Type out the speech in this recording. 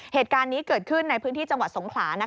เหตุการณ์นี้เกิดขึ้นในพื้นที่จังหวัดสงขลา